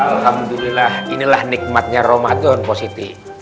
alhamdulillah inilah nikmatnya ramadan positif